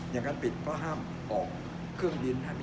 อย่างนั้นปิดก็ห้ามออกเครื่องบิน